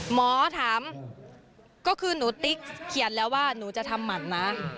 หมอถามก็คือหนูติ๊กเขียนแล้วว่าหนูจะทำหมัดนะ